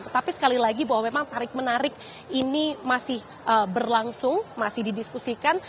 tetapi sekali lagi bahwa memang tarik menarik ini masih berlangsung masih didiskusikan